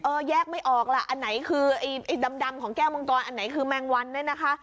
แยกไม่ออกล่ะอันไหนคือไอ้ดำของแก้วมังกรอันไหนคือแมงวันเนี่ยนะคะ